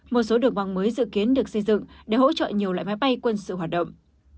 một số đường băng mới dự kiến được xây dựng để hỗ trợ nhiều loại máy bay quân sự hoạt động